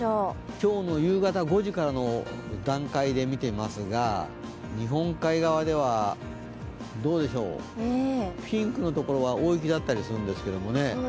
今日の夕方５時からの段階で見ていますが日本海側ではどうでしょう、ピンクのところが大雪だったりするんですかね。